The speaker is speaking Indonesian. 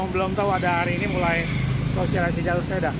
belum tahu ada hari ini mulai sosialisasi jalur sepeda